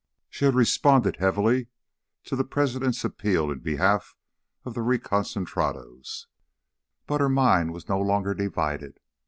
She had responded heavily to the President's appeal in behalf of the reconcentrados, but her mind was no longer divided.